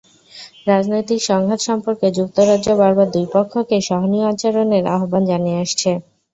রাজনৈতিক সংঘাত সম্পর্কে যুক্তরাজ্য বারবার দুই পক্ষকে সহনীয় আচরণের আহ্বান জানিয়ে আসছে।